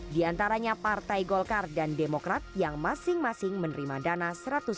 di antaranya partai golkar dan demokrat yang masing masing menerima dana satu ratus lima puluh miliar rupiah